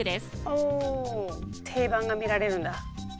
お定番が見られるんだ。